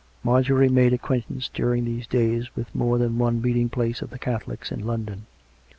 Marjorie made acquaintance during these days with more than one meeting place of the Catholics in London.